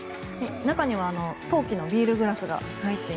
中には陶器のビールグラスが入っていて。